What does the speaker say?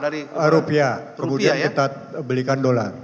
dari rupiah kemudian kita belikan dolar